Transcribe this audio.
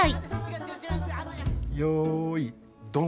よいドン。